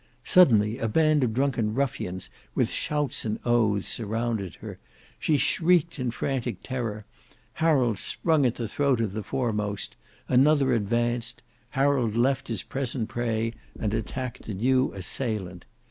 Suddenly a band of drunken ruffians, with shouts and oaths, surrounded her; she shrieked in frantic terror; Harold sprung at the throat of the foremost; another advanced, Harold left his present prey and attacked the new assailant.